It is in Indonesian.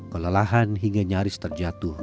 kelelahan hingga nyaris terjatuh